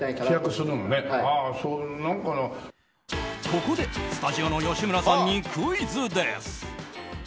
ここでスタジオの吉村さんにクイズです。